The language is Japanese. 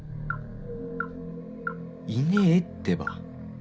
「いねぇってば」